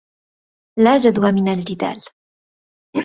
لا جدوى من الجدال.